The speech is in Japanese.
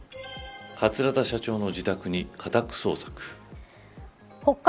桂田社長の自宅に家宅捜索。